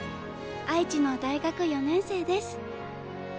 愛知の大学４年生です。